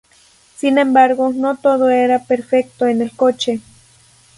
Sin embargo, no todo era perfecto en el coche.